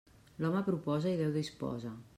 L'home proposa i Déu disposa.